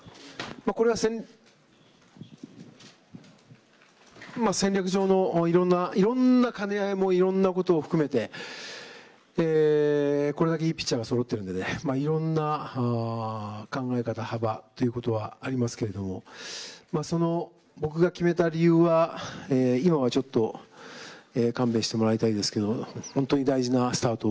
これは戦略上のいろんな兼ね合いやいろいろなことを含めてこれだけいいピッチャーがそろっているのでいろんな考え方、幅はありますけれども僕が決めた理由は今はちょっと勘弁してもらいたいですが本当に大事なスタート